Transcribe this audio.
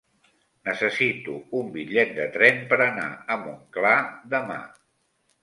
Necessito un bitllet de tren per anar a Montclar demà.